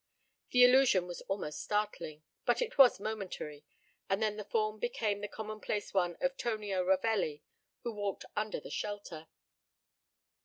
The illusion was almost startling, but it was momentary, and then the form became the commonplace one of Tonio Ravelli, who walked under the shelter.